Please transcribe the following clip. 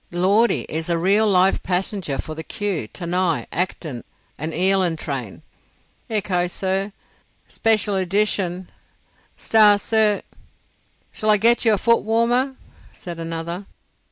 "Lordy! 'Ere's a real live passenger for the Kew, Tanai, Acton, and Ealin' train. Echo, sir. Speshul edition! Star, sir."—"Shall I get you a foot warmer?" said another.